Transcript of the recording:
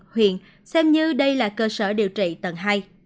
huyện xem như đây là cơ sở điều trị tầng hai